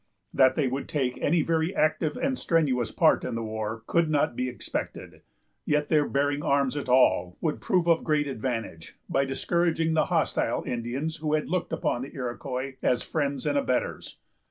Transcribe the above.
That they would take any very active and strenuous part in the war, could not be expected; yet their bearing arms at all would prove of great advantage, by discouraging the hostile Indians who had looked upon the Iroquois as friends and abettors.